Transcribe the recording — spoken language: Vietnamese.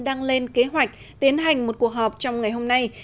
đang lên kế hoạch tiến hành một cuộc họp trong ngày hôm nay